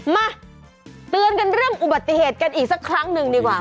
มาเตือนกันเรื่องอุบัติเหตุกันอีกสักครั้งหนึ่งดีกว่า